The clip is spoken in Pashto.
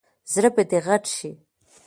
زړه به دې غټ شي !